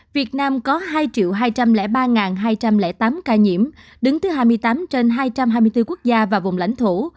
việt nam có hai hai trăm linh ba hai trăm linh tám ca nhiễm đứng thứ hai mươi tám trên hai trăm hai mươi bốn quốc gia và vùng lãnh thổ